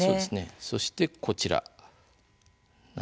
そしてこちら。